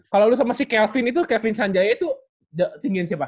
kalo lu sama si kelvin itu kevin sanjaya itu tinggin siapa